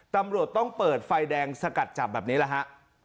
ตำรวจต้องเปิดไฟแดงสกัดจับแบบนี้แหละฮะ